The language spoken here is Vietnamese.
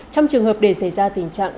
trong trường hợp để xảy ra tình trạng